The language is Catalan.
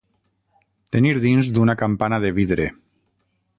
Tenir dins d'una campana de vidre.